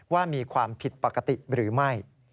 ว่ามีความผิดปกติหรือไม่